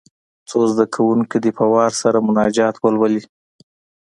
څو زده کوونکي دې په وار سره مناجات ولولي.